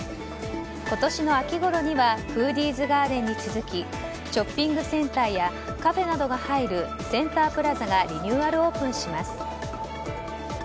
今年の秋ごろにはフーディーズガーデンに続きショッピングセンターやカフェなどが入るセンタープラザがリニューアルオープンします。